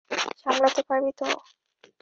সামলাতে পারবি তো?